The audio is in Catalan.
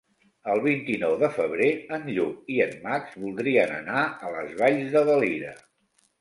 El vint-i-nou de febrer en Lluc i en Max voldrien anar a les Valls de Valira.